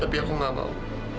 tapi aku gak mau